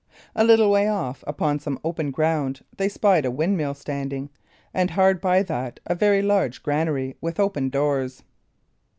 A little way off, upon some open ground, they spied a windmill standing; and hard by that, a very large granary with open doors.